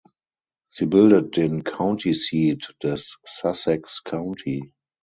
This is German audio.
Sie bildet den County Seat des Sussex County.